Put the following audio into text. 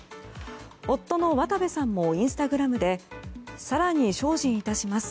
夫の渡部さんもインスタグラムで更に精進いたします。